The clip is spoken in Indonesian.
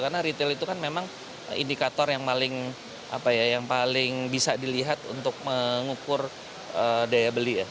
karena retail itu kan memang indikator yang paling bisa dilihat untuk mengukur daya beli